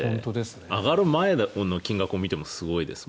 上がる前の金額を見てもすごいですよね。